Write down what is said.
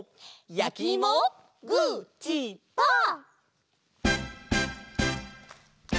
「やきいもグーチーパー」！